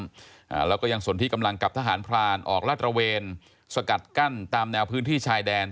อ่าแล้วก็ยังสนที่กำลังกับทหารพรานออกลาดตระเวนสกัดกั้นตามแนวพื้นที่ชายแดน